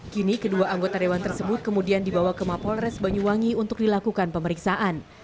kini kedua anggota dewan tersebut kemudian dibawa ke mapolres banyuwangi untuk dilakukan pemeriksaan